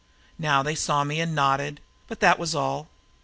Now they saw me and nodded but that was all.